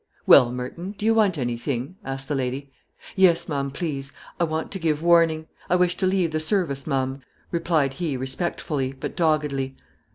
"Well, Merton, do you want anything?" asked the lady. "Yes, ma'am, please, I want to give warning; I wish to leave the service, ma'am;" replied he, respectfully, but doggedly.